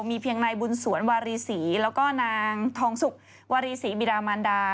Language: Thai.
มีเพียงนายบุญสวนวารีศรีแล้วก็นางทองสุกวารีศรีบิดามันดา